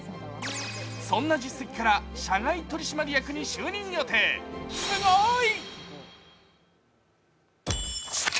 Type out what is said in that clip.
そんな実績から社外取締役に就任予定、すごい！